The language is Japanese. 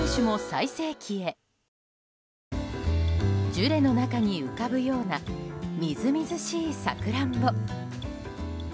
ジュレの中に浮かぶようなみずみずしいサクランボ。